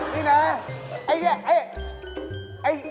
นี่หนาไอ่นี่